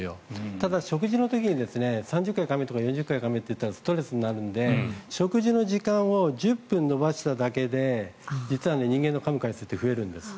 ただ、食事の時に３０回かめとか４０回かめというとストレスになるので食事の時間を１０分延ばしただけで実は人間のかむ回数って増えるんです。